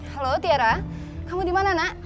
halo tiara kamu dimana nak